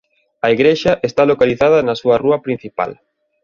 A igrexa está localizada na súa rúa principal.